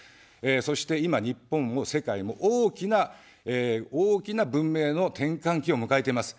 そして今、日本も世界も大きな、大きな文明の転換期を迎えています。